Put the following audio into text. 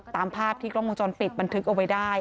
ตามภาพที่กล้องวงจรปิดบันทึกเอาไว้ได้